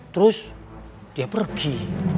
terus dia pergi